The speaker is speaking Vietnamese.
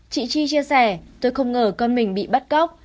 chị chi chia sẻ tôi không ngờ con mình bị bắt cóc